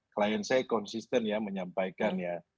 klien saya konsisten ya menyampaikan ya